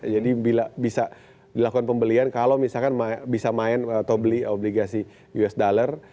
jadi bisa dilakukan pembelian kalau misalkan bisa main atau beli obligasi us dollar